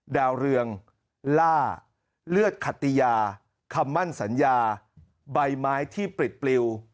ดาวเรืองล่าเลือดขติยาคำมั่นสัญญาใบไม้ที่ปริดปลิว